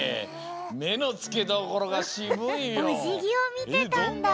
めのつけどころがしぶいよ。